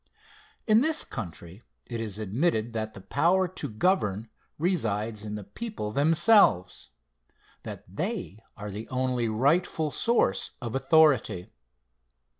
IN this country it is admitted that the power to govern resides in the people themselves; that they are the only rightful source of authority.